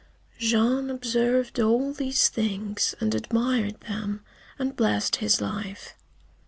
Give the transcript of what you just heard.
Jean observed all these things, and admired them, and blessed his life.